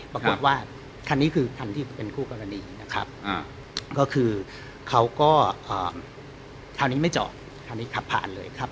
ปรากฏว่าคันนี้คือคันที่เป็นคู่กรณีนะครับก็คือเขาก็คราวนี้ไม่จอดคราวนี้ขับผ่านเลยครับ